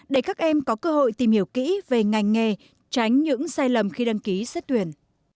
để các em có cơ hội tìm hiểu kỹ về ngành nghề tránh những sai lầm khi đăng ký xét tuyển